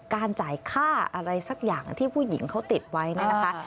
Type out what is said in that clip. การจ่ายค่าอะไรสักอย่างที่ผู้หญิงเขาติดไว้เนี่ยนะคะ